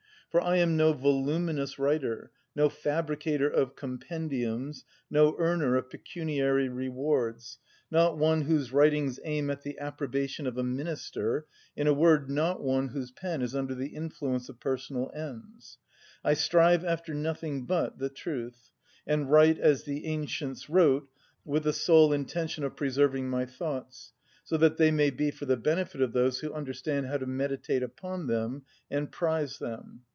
For I am no voluminous writer, no fabricator of compendiums, no earner of pecuniary rewards, not one whose writings aim at the approbation of a minister; in a word, not one whose pen is under the influence of personal ends. I strive after nothing but the truth, and write as the ancients wrote, with the sole intention of preserving my thoughts, so that they may be for the benefit of those who understand how to meditate upon them and prize them.